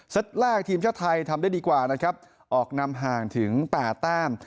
แรกทีมชาติไทยทำได้ดีกว่านะครับออกนำห่างถึง๘แต้ม